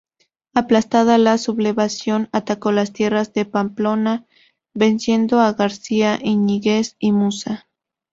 Aplastada la sublevación, atacó las tierras de Pamplona, venciendo a García Íñiguez y Musa.